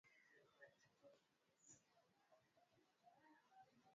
Mashirikisho yaliyofuatia ni ya Uskoti mwaka elfu moja mia nane sabini na tatu